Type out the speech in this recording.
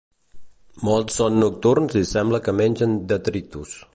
Molts són nocturns i sembla que mengen detritus.